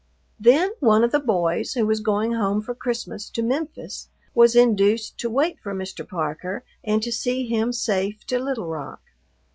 Then one of the boys, who was going home for Christmas to Memphis, was induced to wait for Mr. Parker and to see him safe to Little Rock.